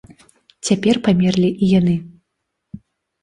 Цяпер памерлі і яны.